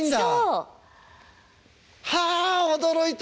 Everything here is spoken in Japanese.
はあ驚いた。